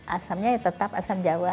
asamnya tetap asam jawa